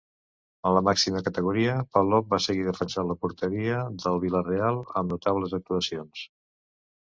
En la màxima categoria, Palop, va seguir defensant la porteria del Vila-real amb notables actuacions.